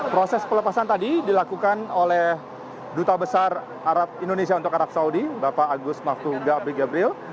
proses pelepasan tadi dilakukan oleh duta besar indonesia untuk arab saudi bapak agus maftugabri gabril